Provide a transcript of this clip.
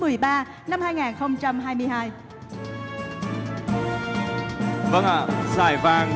vâng ạ giải vàng của các tác phẩm báo chí chúng ta có một mươi sáu giải vàng